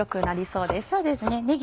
そうですね